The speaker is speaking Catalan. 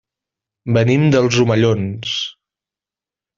Venim dels Omellons.